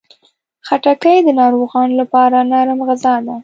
خټکی د ناروغانو لپاره نرم غذا ده.